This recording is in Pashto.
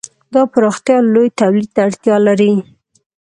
دا پراختیا لوی تولید ته اړتیا لري.